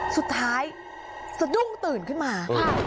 สุดท้ายสะดุ้งตื่นขึ้นมา